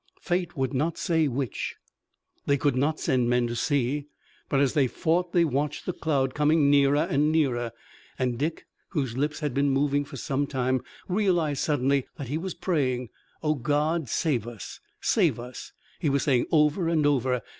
Fate would not say which. They could not send men to see, but as they fought they watched the cloud coming nearer and nearer, and Dick, whose lips had been moving for some time, realized suddenly that he was praying. "O God, save us! save us!" he was saying over and over.